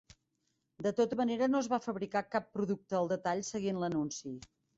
De tota manera, no es van fabrica cap producte al detall seguint l'anunci.